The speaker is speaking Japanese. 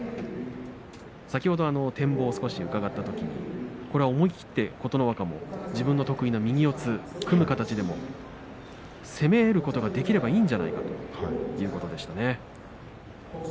先ほど展望を少し伺ったときに思い切って琴ノ若も自分の得意の右四つ、組む形でも攻めることができればいいんじゃないかということでしたね。